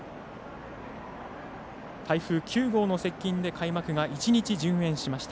台風９号の接近で開幕が１日順延しました。